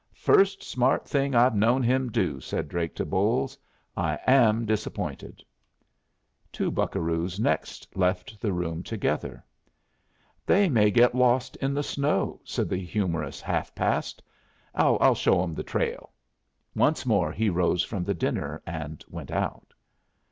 "First smart thing I've known him do," said Drake to Bolles. "I am disappointed." Two buccaroos next left the room together. "They may get lost in the snow," said the humorous Half past. "I'll just show 'em the trail." Once more he rose from the dinner and went out.